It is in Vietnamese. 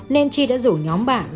nên chi đã rủ nhóm bạn